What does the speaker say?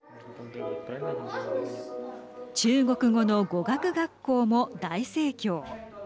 中国語の語学学校も大盛況。